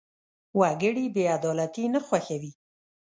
وګړي بېعدالتي نه خوښوي.